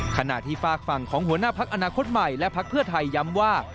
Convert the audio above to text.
ขณะที่ฝากฝั่งของหัวหน้าพักอนาคตใหม่และพักเพื่อไทยย้ำว่า